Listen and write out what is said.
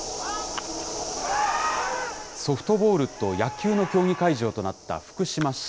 ソフトボールと野球の競技会場となった福島市。